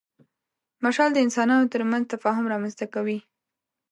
مشال د انسانانو تر منځ تفاهم رامنځ ته کوي.